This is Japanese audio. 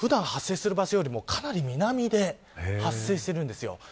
普段発生する場所よりもかなり南で発生しているんです。